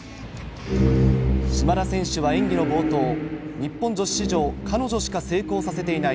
島田選手は演技の冒頭、日本女子史上、彼女しか成功させていない